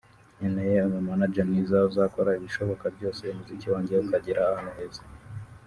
nkeneye umu manager mwiza uzakora ibishoboka byose umuziki wanjye ukagera ahantu heza”